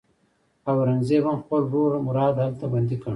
اورنګزېب هم خپل ورور مراد هلته بندي کړ.